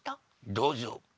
どうぞ。